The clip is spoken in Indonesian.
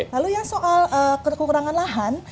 lalu yang soal kekurangan lahan